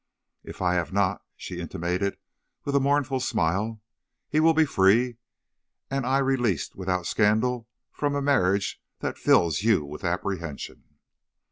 "'If I have not,' she intimated, with a mournful smile, 'he will be free, and I released without scandal from a marriage that fills you with apprehension.'